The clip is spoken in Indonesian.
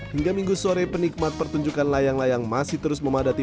hingga minggu sore penikmat pertunjukan layang layang masih terus memadati